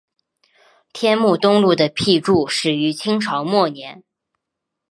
天目东路的辟筑始于清朝末年。